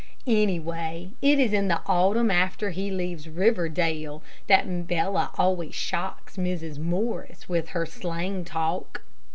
Anyway, it is in the autumn after he leaves Riverdale that Bella always shocks Mrs. Morris with her slang talk.